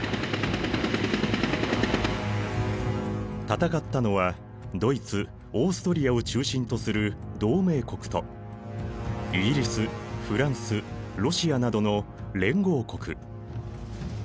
戦ったのはドイツオーストリアを中心とする同盟国とイギリスフランスロシアなどの連合国。